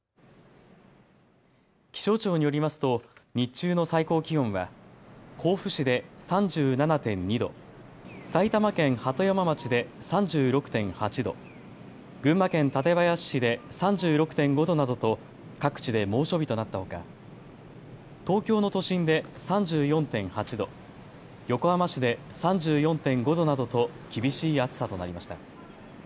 気象庁によりますと日中の最高気温は甲府市で３７．２度、埼玉県鳩山町で３６．８度、群馬県館林市で３６．５度などと各地で猛暑日となったほか東京の都心で３４．８度、横浜市で３４．５度などと厳しい暑さとなりました。